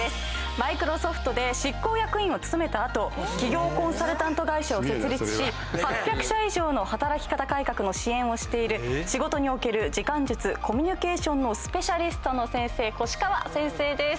Ｍｉｃｒｏｓｏｆｔで執行役員を務めた後企業コンサルタント会社を設立し８００社以上の働き方改革の支援をしている仕事における時間術コミュニケーションのスペシャリストの先生越川先生です。